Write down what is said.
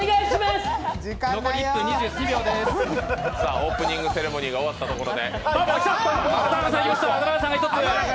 オープニングセレモニーが終わったところで。